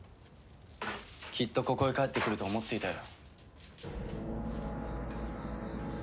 きっとここへ帰ってくると思っていたよ。